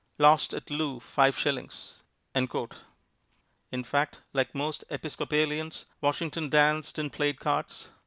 "Lost at Loo 5 shillings." In fact, like most Episcopalians, Washington danced and played cards.